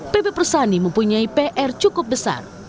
pb persani mempunyai pr cukup besar